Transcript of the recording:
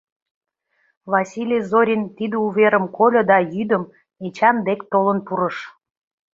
Василий Зорин тиде уверым кольо да йӱдым Эчан дек толын пурыш.